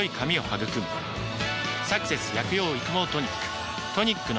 「サクセス薬用育毛トニック」